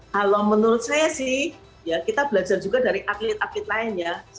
kalau menurut saya sih kita belajar juga dari atlet atlet lain ya